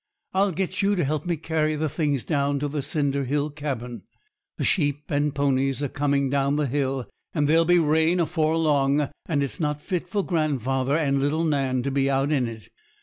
I'll get you to help me carry the things down to the cinder hill cabin. The sheep and ponies are coming down the hill, and there'll be rain afore long; and it's not fit for grandfather and little Nan to be out in it.